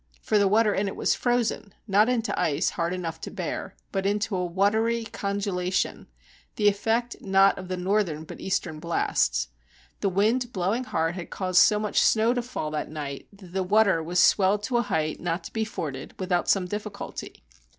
For the water in it was frozen, not into ice hard enough to bear, but into a watery congelation, the effect not of the northern but eastern blasts. The wind blowing hard had caused so much snow to fall that night that the water was swelled to a height not to be forded without some difficulty.